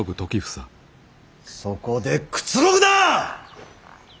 そこでくつろぐな！